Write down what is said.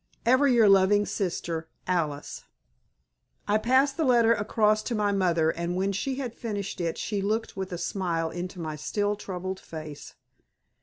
Ever your loving sister, Alice." I passed the letter across to my mother, and when she had finished it she looked with a smile into my still troubled face.